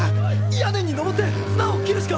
屋根に登って綱を切るしか。